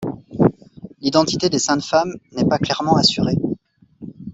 L'identité des Saintes Femmes n'est pas clairement assurée.